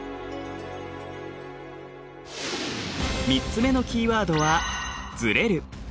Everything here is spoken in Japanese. ３つ目のキーワードは「ずれる」。